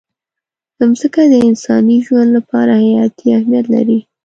مځکه د انساني ژوند لپاره حیاتي اهمیت لري.